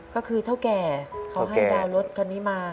ก็คือเท่าแก่เขาให้ดาวน์รถคันนี้มา